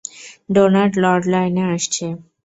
Donut lord লাইনে আসছে।